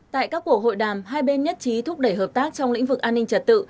tại các cuộc hội đàm hai bên nhất trí thúc đẩy hợp tác trong lĩnh vực an ninh trật tự